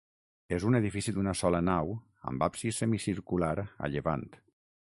És un edifici d'una sola nau, amb absis semicircular a llevant.